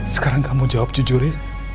sekarang kamu jawab jujur ya